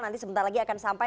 nanti sebentar lagi akan sampai